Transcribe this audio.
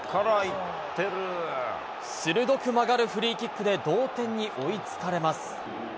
鋭く曲がるフリーキックで同点に追いつかれます。